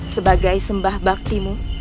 sebagai sembah baktimu